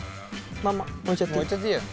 まんま置いちゃっていい？